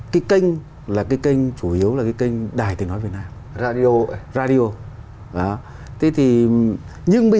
cái kênh là cái kênh chủ yếu là cái kênh đài tình nói việt nam radio radio thế thì nhưng bây